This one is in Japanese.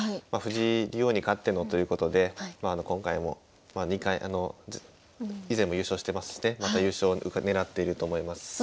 藤井竜王に勝ってのということで今回もまあ２回以前も優勝してますしねまた優勝ねらっていると思います。